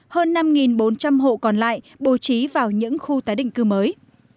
hơn năm bốn trăm linh hộ còn lại bố trí vào những khu tái định cư mới